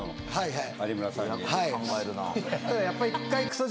はい